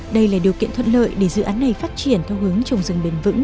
đây là điều kiện thuận lợi để dự án này phát triển theo hướng trồng rừng bền vững